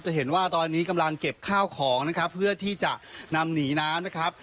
เห็นว่าตอนนี้กำลังเก็บข้าวของนะครับเพื่อที่จะนำหนีน้ำนะครับ